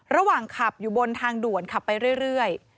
ระหว่างขับอยู่บนทางด่วนขับไปเรื่อย